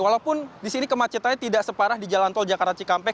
walaupun di sini kemacetannya tidak separah di jalan tol jakarta cikampek